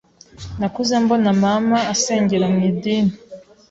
nakuze mbona mama asengera mu idini